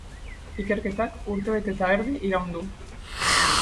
Ikerketak urtebete eta erdi iraun du.